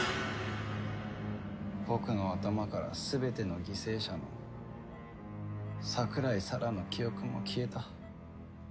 僕の頭から全ての犠牲者の桜井沙羅の記憶も消えた。